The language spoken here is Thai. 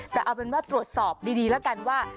แต่เอาเป็นว่าตรวจสอบดีแล้วกันว่า